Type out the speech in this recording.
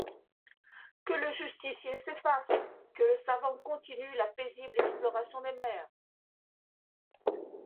Que le justicier s’efface, que le savant continue la paisible exploration des mers !